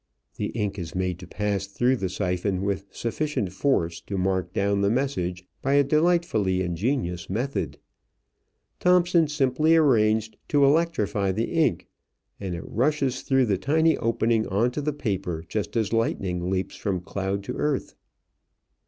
The ink is made to pass through the siphon with sufficient force to mark down the message by a delightfully ingenious method. Thomson simply arranged to electrify the ink, and it rushes through the tiny opening on to the paper just as lightning leaps from cloud to earth.